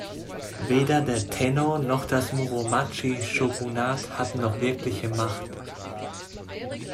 Weder der Tennō noch das Muromachi-Shogunat hatten noch wirkliche Macht.